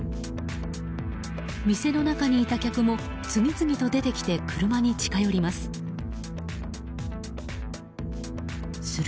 店の中にいた客も次々と出てきて車に近寄ります。